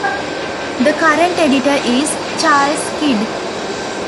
The current editor is Charles Kidd.